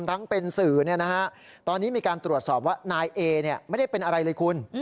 ทั้งเป็นสื่อตอนนี้มีการตรวจสอบว่านายเอไม่ได้เป็นอะไรเลยคุณ